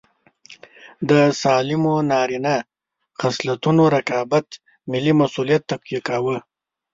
د سالمو نارینه خصلتونو رقابت ملي مسوولیت تقویه کاوه.